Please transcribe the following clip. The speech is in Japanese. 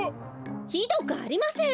ひどくありません！